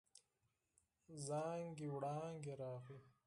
زانګې وانګې راغی.